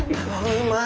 うまい！